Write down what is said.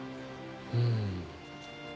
うん。